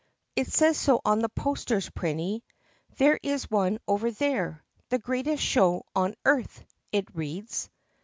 "It says so on the posters, Prinny. There is one over there. THE GREATEST SHOW ON EARTH/ it reads."